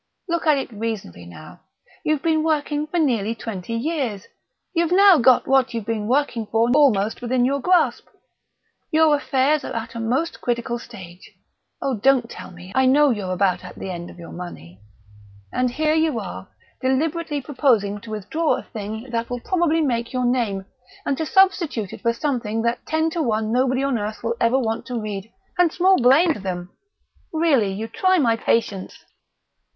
Look at it reasonably, now. You've been working for nearly twenty years; you've now got what you've been working for almost within your grasp; your affairs are at a most critical stage (oh, don't tell me; I know you're about at the end of your money); and here you are, deliberately proposing to withdraw a thing that will probably make your name, and to substitute for it something that ten to one nobody on earth will ever want to read and small blame to them! Really, you try my patience!"